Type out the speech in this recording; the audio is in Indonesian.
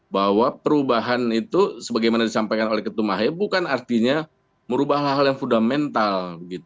bahwa perubahan itu sebagaimana disampaikan oleh ketum ahaya bukan artinya merubah hal hal yang fundamental